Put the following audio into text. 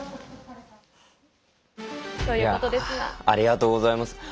ありがとうございます。